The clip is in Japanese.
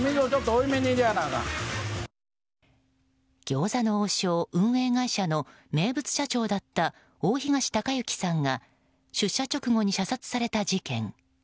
餃子の王将運営会社の名物社長だった大東隆行さんが出社直後に射殺された事件。